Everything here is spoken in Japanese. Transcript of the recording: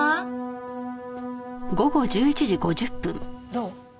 どう？